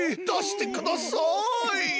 出してください！